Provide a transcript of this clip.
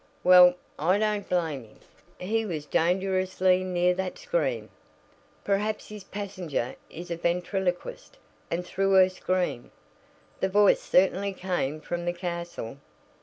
"Well, I don't blame him. He was dangerously near that scream. Perhaps his passenger is a ventriloquist and threw her scream. The voice certainly came from the castle."